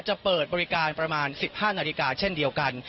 จะเปิดบริการประมาณ๑๕นาฬิกาเช่นเดียวกัน